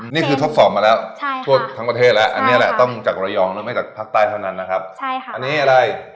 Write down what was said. ทดสอบมาแล้วทั่วทั้งประเทศแล้วอันนี้แหละต้องจากระยองหรือไม่จากภาคใต้เท่านั้นนะครับใช่ค่ะอันนี้อะไร